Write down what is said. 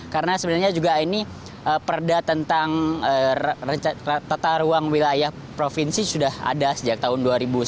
karena sebenarnya juga ini perda tentang tata ruang wilayah provinsi sudah ada sejak tahun dua ribu sepuluh